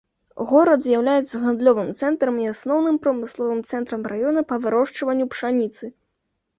Горад з'яўляецца гандлёвым цэнтрам і асноўным прамысловым цэнтрам раёна па вырошчванню пшаніцы.